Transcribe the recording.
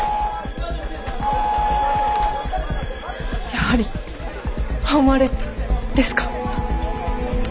やはり半割れですか？